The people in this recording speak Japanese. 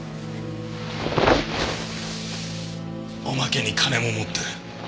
おまけに金も持ってる。